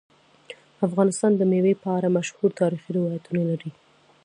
افغانستان د مېوې په اړه مشهور تاریخی روایتونه لري.